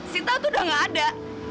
sinta tuh udah gak ada